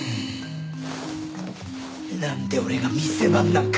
なんで俺が店番なんか。